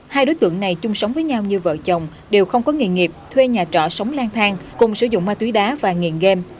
hai đối tượng này chung sống với nhau như vợ chồng đều không có nghề nghiệp thuê nhà trọ sống lang thang cùng sử dụng ma túy đá và nghiện game